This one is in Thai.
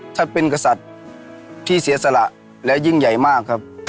ท่านเป็นกษัตริย์ที่เสียสละและยิ่งใหญ่มากครับ